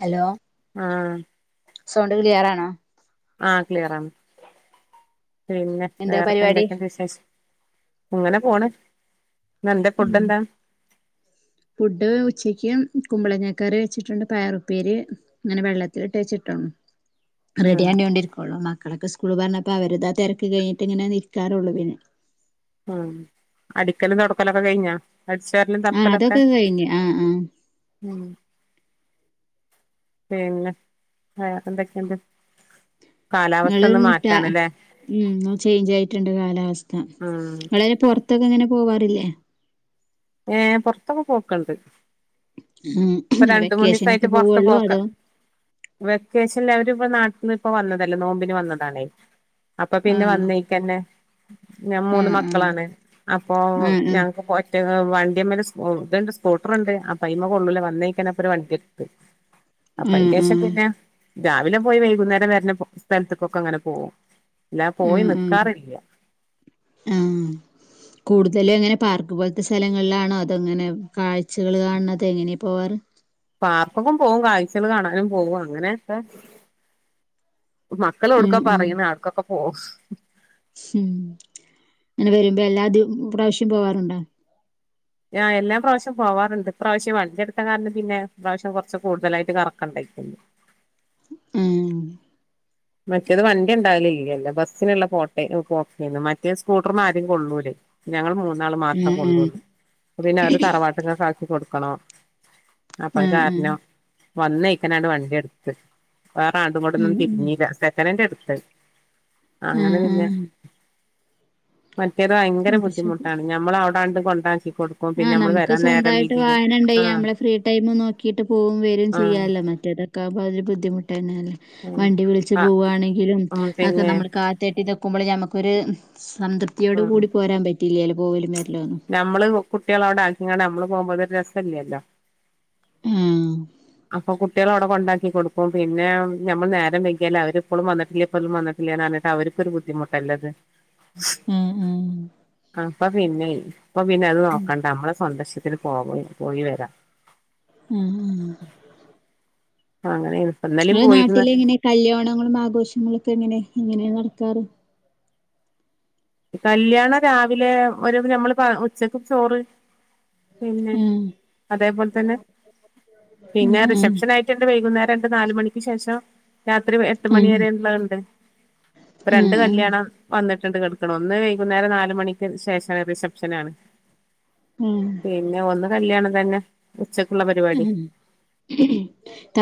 Hello, ആഹ് sound ക്ലിയറാണോ? ആഹ് ക്ലിയറാണ് പിന്നെ എന്താ പരിപാടി വേറെപ്പെന്തക്കെണ്ട് വിശേഷം? ഇങ്ങനെ പോണ് ഇന്നെന്താ ഉം ഫുഡ്ഡെന്താ? ഫുഡ് ഉച്ചയ്ക്കീ കുമ്പളങ്ങക്കറി വെച്ചിട്ട്ണ്ട് പയറുപ്പേരി ഇങ്ങനെ വെള്ളത്തില്ട്ട് വെച്ച്ട്ടോ ഉം റെഡിയായിണ്ടോണ്ടിരിക്കോള്ളൂ മക്കളൊക്കെ സ്കൂള് പറഞ്ഞപ്പോ അവരതാ തെരക്ക് കഴിഞ്ഞ്ട്ട് ഇങ്ങനെ നിൽക്കാറുള്ളൂ പിന്നെ ആഹ് അടിക്കലും തൊടക്കലൊക്കെ കഴിഞ്ഞാ അട്ച്ചാരലും ആഹ് തൊടക്കലൊക്കെ? അതൊക്കെ കഴിഞ്ഞ് ആഹ് ആഹ് ഉം. പിന്നെ വേറെന്തൊക്കെണ്ട് നിങ്ങള് കാലാവസ്ഥന്ന് മാറ്റാണ്ലേ ഉം ചേയ്ഞ്ചായിട്ട്ണ്ട് കാലാവസ്ഥ, ഉം ഇങ്ങളേനെ പൊറത്തൊക്കെങ്ങനെ പോവാറില്ലേ? ഏഹ് പൊറത്തൊക്കെ പോക്ക്ണ്ട്. ഉം ഇപ്പ ഇങ്ങനെ രണ്ട് വെക്കേഷനൊക്കെ മൂന്നീസായിട്ട് പൊറത്ത് പോവുള്ളൂ പോക്ക് അതോ വെക്കേഷന്ല് അവര്പ്പ നാട്ടിന്ന്പ്പ വന്നതല്ലേ നോമ്പിന് വന്നതാണേ, അപ്പൊ പിന്നെ ആഹ് വന്നേ ക്കന്നെ ഞാം മൂന്ന് ആഹ് ആഹ് മക്കളാണ് അപ്പൊ ആഹ് ആഹ് ഞങ്ങക്ക് പോ വണ്ടിമേല് ഇത്ണ്ട് സ്കൂട്ടറ്ണ്ട് അപ്പയ്മെ കൊള്ളൂല വന്നേഴക്കന്നപ്പൊര് വണ്ടിടിത്ത്. അപ്പൊ ആഹ് ആഹ് അയിന്റേഷം പിന്നെ രാവിലെ പോയി വൈകുന്നേരം വെര്ന സ്ഥലത്ത്ക്കൊക്കെങ്ങനെ പോവും. ഉം ഉം ആഹ് കൂടുതലും എങ്ങനെ പാർക്ക് പോലത്തെ സ്ഥലങ്ങളിലാണോ അതെങ്ങനെ കാഴ്ചകൾ കാണ കാണ് ണതോ എങ്ങനെയാ പോവാറ് ാർക്കൊക്കെ പോും കാഴ്ചകള് കാണാനും പോകും അങ്ങനെയൊക്കെ ഉം മക്കളെടുക്കാ ഉം പറയുന്ന അവ്ടക്കൊക്കെ പോും ഉം അങ്ങനെ വരുമ്പോ എല്ലാ ദി പ്രാവശ്യം പോവാറുണ്ട ആഹ് എല്ലാം പ്രാവശ്യ പോവാറുണ്ട് ഇപ്രാവശ്യം വണ്ടിയെടുത്ത കാരണം പിന്നെ ഇപ്രാവശ്യം കുറച്ച് കൂടുതലായിട്ട് കറക്കണ്ടായിരിന്നു ഉം മറ്റേത് വണ്ടി ഉണ്ടാവലില്ലല്ലോ ബസിനുള്ള പോട്ട പോക്കേന്ന് മറ്റേ സ്കൂട്ടർമെ ആരേ കൊള്ളൂലേ ഞങ്ങൾ മൂന്നാള് മാത്രേ ആഹ് ആഹ് കൊള്ളുള്ളൂ പിന്നെ അവര് തറവാട്ട്ക്കൊക്ക ആക്കി കൊടുക്കണം ആഹ് അപ്പത് ആഹ് കാരണം വന്നയ്കണ്ട് വണ്ടി എടുത് വേറാണ്ടും കൊണ്ടൊന്നും ആഹ് തിരിഞ്ഞില്ല സെക്കനൻഡ് എടുത്ത് ആഹ് അങ്ങനെ ആഹ് പിന്നെ ആഹ്. മറ്റേത് ഭയങ്കര അത് ശരി ബുദ്ധിമുട്ടാണ് ഞമ്മൾ അവിടാണ്ട് കൊണ്ടാക്കി കൊടുക്കും പിന്നെ ആഹ് നമ്മള് നമുക്ക് വരാൻ നേരം സ്വന്തായിട്ട് വീതിയില് വാഹന ഉണ്ട്യ ആഹ് നമ്മളെ ഫ്രീ ടൈം നോക്കിയിട്ട് പോവും വരും ആഹ് ചെയ്യാലോ മറ്റേത് [unintelligible] ബുദ്ധിമുട്ടന്നെല്ലേ ഉം വണ്ടി വിളിച്ച് ആഹ് പോവാണെങ്കിലും ഉം അതക്കെ പിന്നെ നമ്മൾ കാത്തട്ട് ഇതൊ ക്കുമ്പോൾ നമുക്കൊരു സംതൃപ്തിയോട് ഉം കൂടി പോരാൻ പറ്റിയില്ലല്ലോ പോവലും വരലോ ഒന്നും നമ്മള് കുട്ടികള അവിടെ ആക്കിങ്കണ്ട് നമ്മള് പോകുമ്പോ അത് ഒരു രസല്ലല്ലോ ആഹ് അപ്പൊ കുട്ടികളോവിടെ കൊണ്ടാക്കി കൊടുക്കും പിന്നെ ഞമ്മൾ നേരം വൈകിയാലും അവരിപ്പോഴും വന്നിട്ടില്ലേ ഇപ്പോഴും വന്നിട്ട് ഇല്ലെന്ന് പറഞ്ഞിട്ട് അവർക്കൊരു ബുദ്ധിമുട്ടല്ലത് ആഹ് ആഹ് അപ്പൊ പിന്നെ അപ്പൊ പിന്നെ അത് ഉം നോക്കണ്ട നമ്മള സ്വന്തം ഇഷ്ടത്തിന് പോവാം പോയി വരാം ഉം ഉം ഉ അങ്ങനെ എനപ്പല്ലെ ഈ നാട്ടിലെ എങ്ങനെ കല്യാണങ്ങളും ആഘോഷങ്ങളൊക്കെ എങ്ങനെ എങ്ങനെയാ നടക്കാറ് കല്യാണം രാവിലെ ഒരു ഞമ്മള് ഉച്ചക്ക് ചോറ് പിന്നെ ആഹ് അതേപോലെ തന്നെ പിന്നെ ആഹ് റിസെപ്ഷൻ ആയിട്ടുണ്ട് വൈകുന്നേരംണ്ട് നാല മണിക്ക് ശേഷം രാത്രി എട്ട് മണി ആഹ് വരെയു ഉള്ളതുണ്ട് ആഹ് രണ്ട് ആഹ് കല്യാണം വന്നിട്ടുണ്ട് ണം ഒന്ന് വൈകുന്നേരം നാലുമണിക്ക് ശേഷം റിസെപ്ഷനാണ് ഉം പിന്നെ ഒന്ന് കല്ല്യാണം തന്നെ ഉച്ചക്കുള്ള ആഹ് പരിപാടി ആഹ്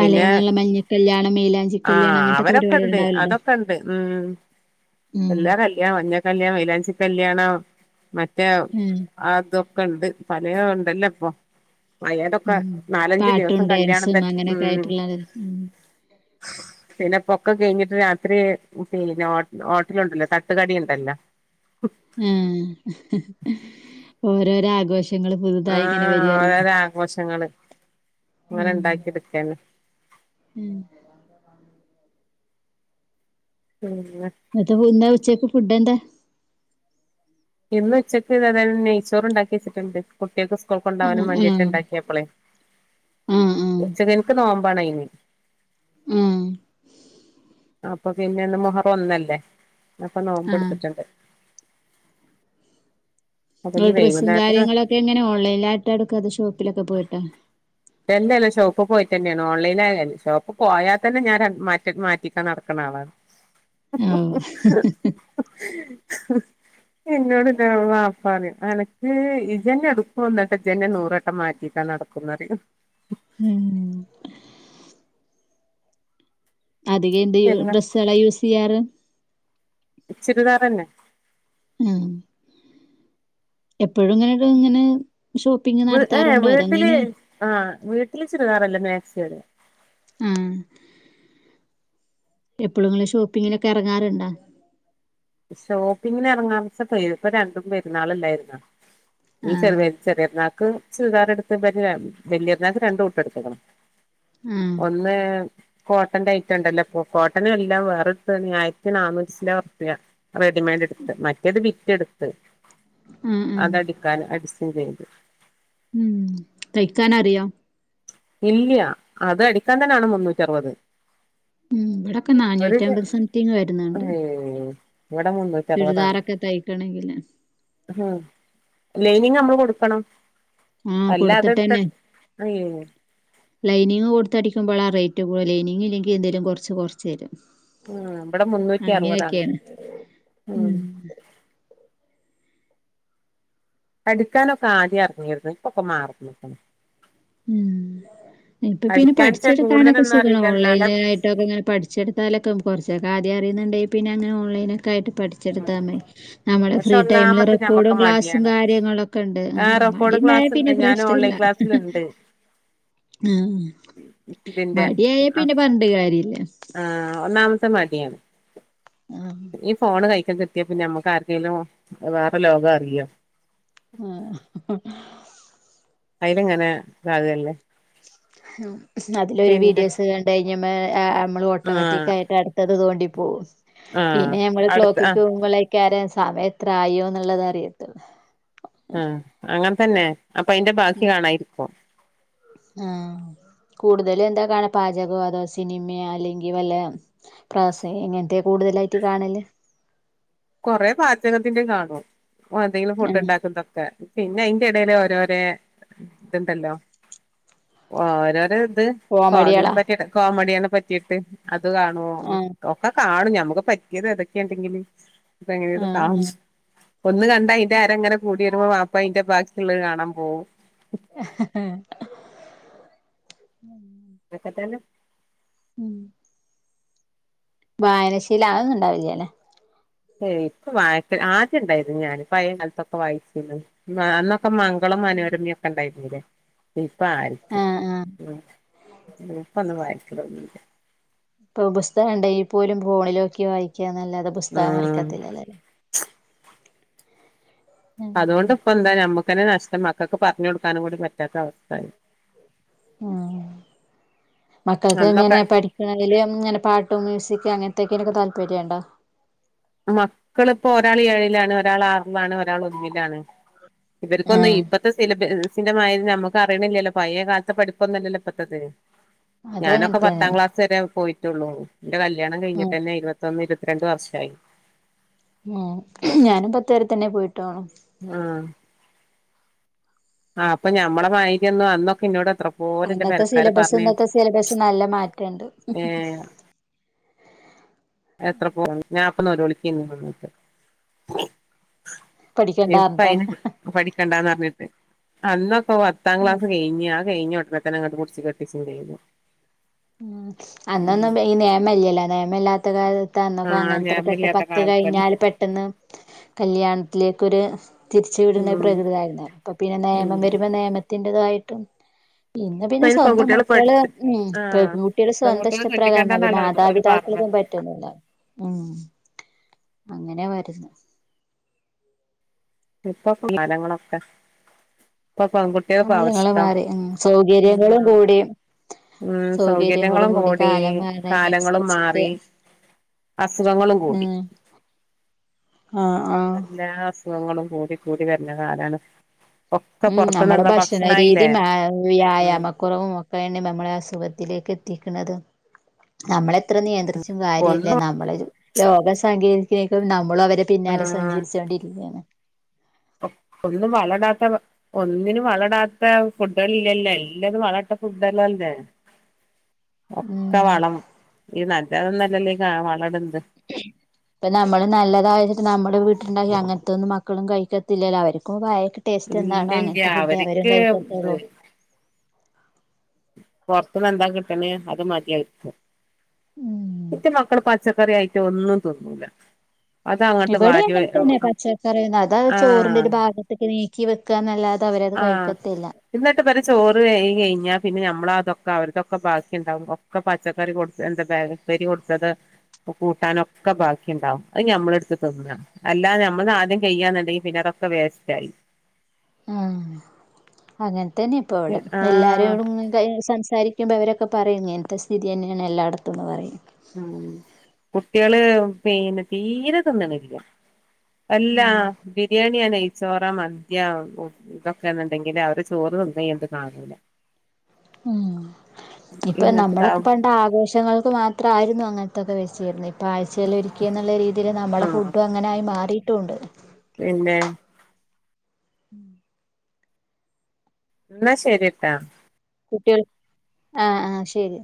പിന്നെ മഞ്ഞ കല്യാണം മേലാഞ്ചി കല്യാണം അങ്ങനത്തെൊക്കെ പരിപാടികൾ ഉണ്ടാവലട്ടോ ഉ എല്ലാ കല്യാണം മഞ്ഞ കല്യാണം മൈലാഞ്ചി കല്യാണം മറ്റേ ആഹ് ആ ഇതൊക്കെ ഉണ്ട് തലേ ഉണ്ടല്ലോ ഇപ്പൊ അയാതൊക്കെ ഉം നാലഞ്ചു പാട്ടും ദിവസം കല്യാണം ഡാൻസും തന്നെ അങ്ങനെയൊക്കെ ഉം ആയിട്ടുള്ളത് ഉം പിന്നെ പൊക്ക കഴിഞ്ഞിട്ട് രാത്രി പിന്നെ ഹോട്ടലുണ്ടല്ലോ തട്ടുകടി ഉണ്ടല്ലോ ഉം ആഹ ഓരോരോ ആഘോഷങ്ങളും പുതുതായി ഇങ്ങനെ ആഹ് വരില്ലേ ഓരോരോ ആഘോഷങ്ങള് ഉ അങ്ങനെ ഉണ്ടാക്കിയെടുക്കന്നെ ഉം ഇളള മ ഒന്ന ഉച്ചയ്ക്ക് ഫുഡ് എന്താ ഇന്ന് ഉച്ചക്ക് ഇത് അതായും നെയ്ച്ചോർ ഉണ്ടാക്കി വെച്ചിട്ടുണ്ട് കുട്ടികൾക്ക് സ്കൂൾ ആഹ് കൊണ്ടകാനും വേണ്ടിട്ട് ആഹ് ഉണ്ടാക്കിയപ്പോളെ ആഹ് ആഹ് കൊ നോമ്പണായിനി ഉം അപ്പൊ പിന്നെ ഇന്ന് മുഹറ ഒന്നല്ലേ അപ്പൊ നോമ്പ് ആഹ് എടുത്തിട്ടുണ്ട് അപ്പൊ നിങ്ങ ഇനി ഡ്രസ്സും വൈകുന്നേരത്തിന് കാരെങ്ങളൊക്കെ എങ്ങനെ ഓൺലൈനിലായിട്ട് എടുക്കാ അ ഷോപ്പിലൊക്കെ പോയിട്ടോ എന്തല്ലാം ഷോപ്പ് പോയിട്ട തന്നെയാണ് ഓൺലൈൻായ ഷോപ്പ് പോയാൽ തന്നെ ഞാൻ- -ക്കെ മാറ്റിക്കാൻ നടക്ക്ണാളാ ആഹ് എന്നോട് [unintelligible] പറയും എനക്ക് ഇജ്ജെന്നെ എടുക്കും എന്നിട്ട് ജ്ജെന്നെ നൂറട്ടം മാറ്റിക്കാൻ നടക്കുംന്ന് പറയും ഉം അധികം എന്ത് പെരുന്നാ ഡ്രസ്സ്കളാ യൂസെയ്യാറ് ചുരിദാറെന്നെ ആഹ് എപ്പോഴുംങ്ങനെ ഒരു ഇങ്ങനെ ഷോ വ് ഏഹ് വീട്ടില് ആഹ് വീട്ടില് ചുരിദാറല്ല മാക്സി ആ ഇടുക ആഹ് എപ്പോഴും നിങ്ങൾ ഷോപ്പിങ്ങിലൊക്കെ ഇറങ്ങാറുണ്ടോ ഷോപ്പിങ്ങിന് ഇറങ്ങാൻച്ചപ്പളേ ഇപ്പൊ രണ്ടും പെരുന്നാളല്ലായിരുന്നോ നീ ആഹ് ചെറിയ ചെറിയ പെരുന്നാക്ക് ചുരിദാർ എടുത്ത് വലിയ പെരുന്നാക്ക് രണ്ടു കൂട്ടം എടുത്ത്ക്ക്ണ് ആഹ് ഒന്ന് കോട്ടന്റെ ഐറ്റം ഉണ്ടല്ലോ ഇപ്പോ കോട്ടൺ അല്ലാ വേറൊരുതുണിയാ ആയിരത്തി നാനൂറ്റിചില്ലാണം ഉറുപ്യ റെഡിമെയ്ഡ് എടുത്ത് മറ്റേത് ബിറ്റെടുത്ത് ആഹ് ആഹ് അതടി- ക്കാൻ അടിസ്ഥിൻ ചെയ്ത് ഉം തയ്ക്കാനറിയോ ഇല്ല അത് അടിക്കാൻ തന്നെയാണ് മുന്നൂറ്റി അറുപത് ഉം ഇവിടൊക്കെ ഒരു നാനൂറ്റമ്പത് സംതിങ് വരുന്നുണ്ട് ഏഹ് ഇവടെ മുന്നൂ- ചുരിദാറൊക്കെ തയ്ക്കണെങ്കില് ഉം ലൈനിംഗ് നമ്മൾ കൊടുക്കണം ആഹ് അല്ല അതത്ത കൊടുത്തിട്ടന്നെ [unintelligible] ലൈനിങ് കൊടുത്ത് അടിക്കുമ്പോൾ ആ റേറ്റ് കൂടൽ ലൈനിംഗില്ലെങ്കിൽ എന്തേലും കുറച്ച് കുറച്ച് തരും ഉം ഇവിടെ മുന്നൂറ്റി അറുപതാണ് അങ്ങനൊക്കെയാണ് ഉം അടിക്കാനൊക്കെ ആദ്യം അറിഞ്ഞിരുന്നു ഇപ്പൊക്കെ മാറന്ന് ട്ടോ ഉം ഇപ്പൊ പിന്നെ പഠിക്കാൻച്ചാ പഠിച്ചെടുക്കാനൊക്കെ കൂടുതലൊന്നും സുഖാണ് അറിയില്ല എന്നാല ഓൺലൈനിലായി ട്ടൊക്കെ അങ്ങനെ പഠിച്ചെടുത്താലൊക്കെ കുറച്ചൊക്കെ ആദ്യം അറിയുന്നുണ്ടെങ്കിൽ പിന്നെ അങ്ങനെ ഓൺലൈനൊക്കെ ആയിട്ട് പഠി- ഉം ച്ചെടുത്താമതി നമ്മളെ പക്ഷെ ഫ്രീ ടൈമില് ഒന്നാമത്തെ ഞമ്മക്ക് റെക്കോർഡും ക്ലാസ്സും മടിയാണ് കാര്യങ്ങളൊക്കെ ഉണ്ട് ആ ആഹ് റെക്കോർഡ് അടീണ്ടായ ക്ലാസ് ഉണ്ട് പിന്നെ ഞാൻ ഓൺലൈൻ പ്രശ്നല്ല ക്ലാസ്സിലുണ്ട് ആഹ് ഇതിന്റെ മടിയായാ ആഹ് പിന്നെ പറഞ്ഞിട്ടു കാര്യല്ല ആഹ് ഒന്നാമത്തെ മടിയാണ് ആഹ് ഈ ഫോണ് കഴിൽക്ക- കിട്ടിയാ പിന്നെ ഞമ്മക്ക് ആർക്കെങ്കിലും വേറെ ലോകം അറിയോ ആഹ് അയിലങ്ങനെ [unintelligible] അതിലൊരു വീഡിയോസ് കണ്ട് ഡെനിമേ നമ്മള് ആഹ് ഓട്ടോമാറ്റിക്ക് ആയിട്ട് അടു -ത്തതു തോണ്ടി പോകും ആഹ് പിന്നെ ഞമ്മള് അടുത്ത ക്ലോക്കിൽക്- ആഹ് പോകുമ്പോ കാര സമയം എത്ര ആയിയോ എന്നുള്ളത് അറിയത്തുള്ളൂ ആഹ് അങ്ങനെ തന്നെ അപ്പൊ അയിന്റെ ബാക്കി ഉം കാണാനിരിക്കും ആഹ് കൂടുതലും എന്താ കാണ പാചകോ അതോ സിനിമയോ അല്ലെങ്കിൽ വല്ല കാസെയ് എങ്ങനത്തെയാ കൂടുതലായിറ്റ് കാണല് കൊറേ പാചകത്തിന്റെ കാണും എന്തെങ്കിലും ഫുഡ് ആഹ് ഉണ്ടാക്കുന്നതൊക്കെ പിന്നെ അയിന്റെ ഇടേൽ ഓരോരെ ഇതുണ്ടല്ലോ ഓരോര ഇത് അ അതിനെ കോമഡികളാ പറ്റിട്ട് കോമഡിയിനെ പറ്റിട്ട് അത് കാണും ആഹ് ഒക്കെ കാണും നമ്മുക്ക് പറ്റിയത് എതൊക്കെയെ ഉണ്ടെങ്കില് ഇപ്പ അങ്ങനെയൊക്കെ കാണും ആഹ് ഒന്ന് കണ്ടാ അതിന്റെ അരങ്ങനെ കൂടി വരുമ്പോ അപ്പൊ അയിന്റെ ബാക്കി ഉള്ളത് കാണാൻ പോകും [unintelligible] [unintelligible] ഉം വായനശീലം ആതൊന്നും ഉണ്ടാവില്ല അല്ലെ ഏയ് ഇപ്പ വായിക്ക ആദ്യം ഉണ്ടായിരുന്നു ഞാാനിപ്പ പഴയ കാലത്തൊക്കെ വായിച്ചിരുന്നു ഒക്ക മംഗളം മനോരമയൊക്കെ ഉണ്ടായിരുന്നില്ലേ ഇപ്പ ആയിരിക്കും ആഹ് ആഹ് ഇപ്പൊന്നും വക്കൊന്നില്ല ഇപ്പൊ പുസ്തകണ്ട പോലും ഫോണിലോക്കി വായിക്കന്നല്ലാതെ പുസ്തകം ഉം വറക്കത്തില്ലല്ല എല്ലാരും ഉം അതുകൊണ്ട് ഇപ്പ എന്താ നമ്മുക്ക്ന്നെ നഷ്ടം മക്കൾക്ക് പറഞ്ഞു കൊടുക്കാനും കൂടി പറ്റാത്ത അവസ്ഥയായി ഉം മക്കൾക്ക് അന്നൊക്കെ എങ്ങനെ പഠ അ ഇങ്ങന പാട്ടും മ്യൂസിക് അങ്ങനത്തെയോക്കെ താല്പര്യണ്ടോ മക്കളിപ്പോൊ ഒരാൾ ഏഴിലാണ് ഒരാൾ ആറിലാണ് ഒരാൾ ഒന്നിലാണ് ഇവർക്കൊന്ന് ഇപ്പഴത്തെ സിലബസിന്റെ മ നമുക്ക് അറിയണില്ലല്ലോ പഴയ കാലത്തെ പഠിപ്പ് ഒന്നുമല്ലല്ലോ ഇപ്പോഴത്തെ ഞാനൊക്കെ പത്താം അതങ്ങനത്തന്നെയാണ് ക്ലാസ് വരെ പോയിട്ടുള്ളു എന്റെ കല്യാണം ഉം കഴിഞ്ഞിട്ട് തന്നെ ഇരുപത്തിന്ന് ഇരു രണ്ട് വർഷായി ഉം ഞാനും പത്തുവരെ തന്നെ പോയിട്ടോ ആഹ് ആഹ് അപ്പൊ ഞമ്മുടെ മര്ന്നും അന്നൊക്കെ ഇന്നോട് ഇത്രേം പോഓര്ന്റെ അന്നത്തെ പരക്കാര് സിലബസ് പറഞ്ഞേ ഇന്നത്തെ സിലബസ് നല്ല മാറ്റണ്ട് ഏഹ് എത്ര പോ ഞാൻ അപ്പൊ നൊ ഒരു വിളിക്ക്ന്ന വന്നിട്ട് ഇപ്പ പഠിക്കണ്ടാർഞ്ഞിട്ടാ അയിന് പഠിക്കണ്ടന്ന് പറിഞ്ഞിട്ട് അന്നൊക്ക പത്താം ഉം ക്ലാസ് കിയിഞ്ഞ് ആ കഴിഞ്ഞു ഉടനെ തന്നെ ബുക്സ് പെറാക്ടീസ് ചെയ്തു കഴിഞ്ഞു ഉ അന്നൊന്നും ഈ നിയമല്ല നിയമമില്ലാത്ത കാല ന്നൊക്കെ ആഹ് അങ്ങനെത്തന്നെ പെട്ട ഞാമില്ലാത്ത പത്ത് കാലത്തല്ലേ കഴിഞ്ഞാല് പെട്ടെന്ന് കല്യാണത്തിലേക്കൊരു തിരിച്ചുവിടുന്ന ഉം പ്രകൃതി യിരുന്നു അപ്പൊ പിന്നെ ഉം നിയമം വരുമ്പോ നിയമത്തിറേതായിട്ടും ഇന്ന് ഇപ്പ പിന്നെ അയിന് സ്വന്തം പെൺകുട്ടികള് മക്കള് പഠിച്ച് ഉ ആഹ് പെൺകുട്ടികളെ സ്വന്തം പെൺകുട്ടികളെ ഇഷ്ടപ്രകാരമാണ് കെട്ടിക്കണ്ടാന്നല്ല അവര് അവര് മാതാപിതാക്കളെ പറഞ്ഞത് പറ്റ ഉം അങ്ങനെ വരുന്നെ ഇപ്പൊ സ്ലങ്ങളൊക്കെ ഇപ്പൊ പെൺകുട്ട കാലങ്ങള്ൾ മാറി ഉ സൗകര്യങ്ങളും ഉം കൂടി ഉം സൗകര്യങ്ങളും കൂടി കാലങ്ങളും മാറി അസുഖങ്ങളും കൂടി ആഹ ആ എല്ലാ അസുഖങ്ങളും കൂടി കൂടി വ ര്ന കാലാണ് ഒക്കെ ഉം നമ്മള പുറത്തുന്നുള്ള ഭക്ഷണരീതി ഭക്ഷണായില്ലേ ഉം വ്യായാമം കുറവും ഒക്കെ എണ്ണയും നമ്മളെ അസുഖത്തിലേക്ക് എത്തിക്കുന്നത് നമ്മളെ ത്ര നിയന്ത്രിച്ചും കാര്യമല്ല ഒന്നും നമ്മളെ ലോക സാങ്കേതിക നമ്മളു അവ പിന്നാലെ ആഹ് സഞ്ചരിച്ചോണ്ടിരിക്കുകയാണ് ഒന്നും വളടാത്ത ഭ ഒന്നിനും വളടാത്ത ഫുഡുകൾ ഇല്ലല്ലോ എല്ലാരും വളട്ട ഫുഡല്ലാല്ലെ ഒക്കെ ഉം വളം ഈ നല്ലതൊന്നല്ലല്ലേ വള ട്ന്ന [inaudible] ഇപ്പ നമ്മള് നല്ലതായ നമ്മള വീട്ടിലുണ്ടാക്കി അങ്ങനത്തെന്നും മക്കളും കഴിക്കത്തില്ലല്ലോ അവർക്കും വയ ടേസ്റ്റ് ഇല്ല എന്താണോ ഇല്ല അങ്ങനത്തെ ഫുഡെ അവരും അവർക്ക് ഇത് കഴിക്കത്തുള്ളൂ. പുറത്തന്ന് എന്താ കിട്ടണ അത് മതിയാ ഉം [unintelligible] മക്കള് പച്ചക്കറി ആയിട്ട് ഒന്നും തിന്നൂല. അത് അങ്ങോട്ട് ഇവിടീം വാരി അങ്ങനതന്നെ പച്ചക്കറിയ അതാ ചോറിന്റെ ആഹ് ഒരു ഭാഗ ക്കെ നീക്കി വെക്കാന്നല്ലാതെ അവരത് ആഹ് കഴിക്കത്തില്ല എന്നിട്ട് വരെ ചോറ് കഴികി കഴിഞ്ഞാൽ പിന്നെ നമ്മ അതൊക്കെ അവർതൊക്കെ ബാക്കി ഉണ്ടാവും ഒക്കെ പ പച്ചക്കറി കൊടുത്ത എന്താ പയർ പേരി കൊടുത്തത് കൂട്ടാനൊക്കെ ബാക്കിണ്ടാവും അത് ഞമ്മളെടുത്ത് തിന്നാ അല്ലാത നമ്മൾ ആദ്യം കഴ്യാന്നുണ്ടെങ്കിൽ പിന്നതക്കെ വേസ്റ്റ്ആയി. ആഹ അങ്ങനെത്തന്നെ ഇപ്പൊ ഇവടെ ആഹ് എല്ലാരരുംടും സംസാരിക്ക ഇരിക്കുമ്പം അവരൊക്ക പറയും ഇങ്ങന് ത്തെ സ്ഥിതി തന്നെയാണ് എല്ലായിടത്തുംന്ന് പറയും. ഉ കുട്ടികള് പിന്നെ തീരെ തിന്ന്ണ്ല്ല അല്ലാ ഉം ബിരിയാണിയാണി നെ ചോറ മത്യാക്കും ഇതൊക്കെന്നുണ്ടെങ്കില് അവര് ചോറ് നൊന്നും അയിനിത് കാണൂല്ല ഉം ഇപ്പൊ നമ്മളൊക്കെ ഇങ്ങനത്തതാവും പ ആഘോഷങ്ങൾക്ക് മാത്രായിരുന്നു അങ്ങനത്തൊക്കെ വെച്ചിരുന്നേ. ആഴ്ചകളിൽ ഒരിക്കെന്നുള്ള രീതിയിൽ നമ്മളെ ആഹ് ഫുഡും അങ്ങനായി മാറിയിട്ടും ഉണ്ട്. പിന്നെ [inaudible] ന്നാ ശരിട്ടാ കുട്ട്യാൾ ആഹ് ആഹ് ശരി